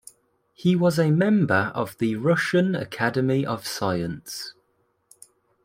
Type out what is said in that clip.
He was a member of the Russian Academy of Science.